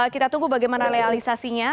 kita tunggu bagaimana realisasinya